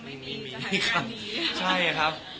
ค่ะใช่ครับ